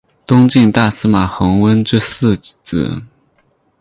东晋大司马桓温之四子。